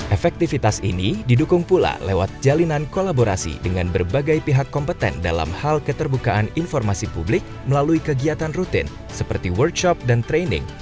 efektivitas ini didukung pula lewat jalinan kolaborasi dengan berbagai pihak kompeten dalam hal keterbukaan informasi publik melalui kegiatan rutin seperti workshop dan training